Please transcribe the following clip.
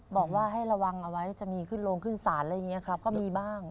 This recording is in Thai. บอกว่าให้ระวังเอาไว้จะมีขึ้นโรงขึ้นศาลอะไรอย่างนี้ครับก็มีบ้าง